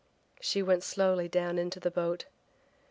She went slowly down into the boat.